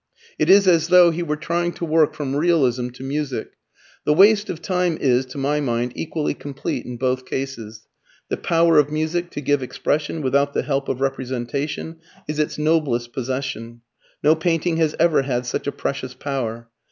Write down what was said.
It is as though he were trying to work from realism to music. The waste of time is, to my mind, equally complete in both cases. The power of music to give expression without the help of representation is its noblest possession. No painting has ever had such a precious power.